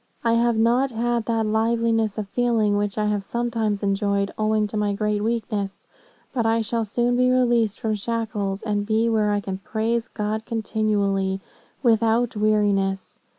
I have not had that liveliness of feeling, which I have sometimes enjoyed, owing to my great weakness, but I shall soon be released from shackles, and be where I can praise God continually, without weariness.